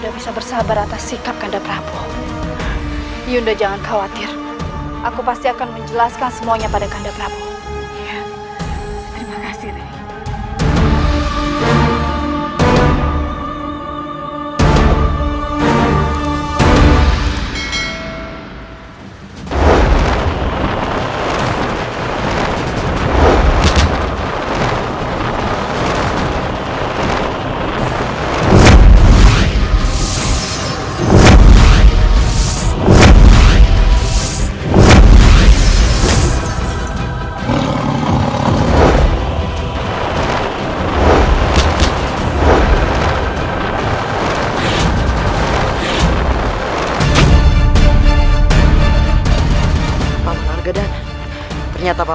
masuklah ke dalam